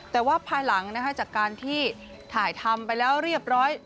แต่ว่าภายหลังจากการที่ถ่ายทำไปแล้วเรียบร้อย